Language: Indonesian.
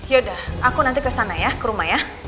yaudah aku nanti kesana ya ke rumah ya